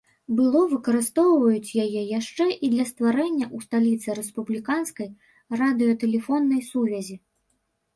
Было выкарыстоўваць яе яшчэ і для стварэння ў сталіцы рэспубліканскай радыётэлефоннай сувязі.